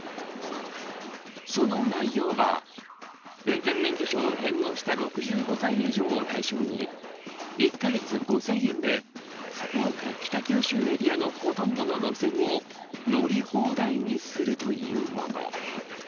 その内容は運転免許証を返納した６５歳以上を対象に１カ月５０００円で福岡・北九州エリアのほとんどの路線を乗り放題にするというもの。